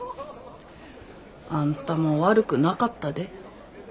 あんたも悪くなかったで。